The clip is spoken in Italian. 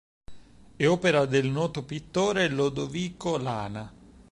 È opera del noto pittore Lodovico Lana.